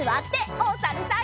おさるさん。